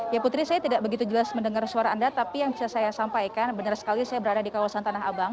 ya putri saya tidak begitu jelas mendengar suara anda tapi yang bisa saya sampaikan benar sekali saya berada di kawasan tanah abang